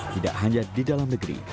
tidak hanya di dalam negeri